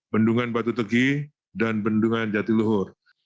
bendungan batu tegi dan bendungan jatiluhur